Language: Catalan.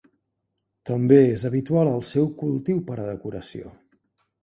També és habitual el seu cultiu per a decoració.